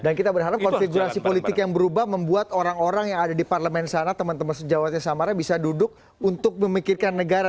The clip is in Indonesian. dan kita berharap konfigurasi politik yang berubah membuat orang orang yang ada di parlemen sana teman teman sejawatnya samaranya bisa duduk untuk memikirkan negara